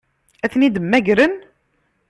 Ad ten-id-mmagren?